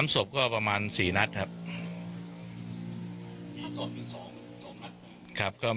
๓ศพก็ประมาณ๔นัดครับ